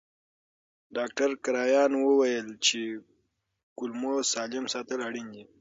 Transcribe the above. ډاکټر کرایان وویل چې کولمو سالم ساتل اړین دي.